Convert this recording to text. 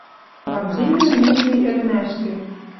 Ванженӓ мирный ӹлӹмӓшкӹ...»